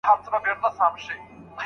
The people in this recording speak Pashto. ایا افغان سوداګر بادام صادروي؟